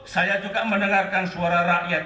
saya juga mendengarkan suara rakyat